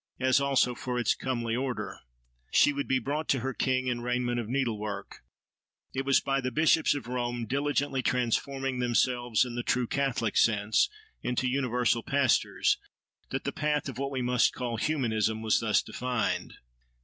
—As also for its comely order: she would be "brought to her king in raiment of needlework." It was by the bishops of Rome, diligently transforming themselves, in the true catholic sense, into universal pastors, that the path of what we must call humanism was thus defined.